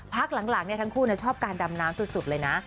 พักหลังทั้งคู่ชอบการดำน้ำสุดเลยนะ